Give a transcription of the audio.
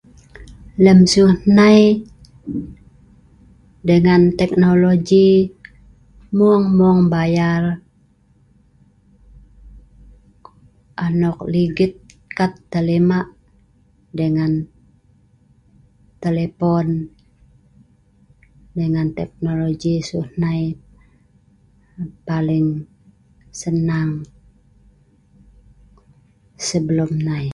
Lem siu hnai, dengan teknologi mung-mung bayal anok ligit kad telima' dengan telepon mai ngan teknologi siu hnai paling senang sebelum nai.